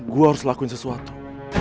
gue harus lakuin sesuatu